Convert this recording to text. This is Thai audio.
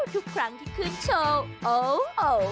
ทุกครั้งที่ขึ้นโชว์โอ้โห